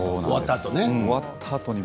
終わったあとね。